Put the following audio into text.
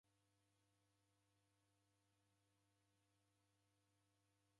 W'ana w'ake w'aw'elila w'eka njala.